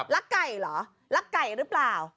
รักไก่เหรอรักไก่หรือเปล่า